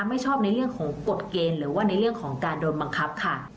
ไม่ชอบในเรื่องของกฎเกณฑ์หรือว่าในเรื่องของการโดนบังคับค่ะ